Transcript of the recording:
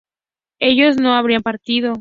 ¿ellos no habrían partido?